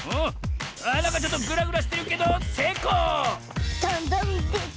なんかちょっとぐらぐらしてるけどせいこう！